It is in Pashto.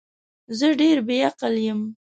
زه ډیر بی عقل یم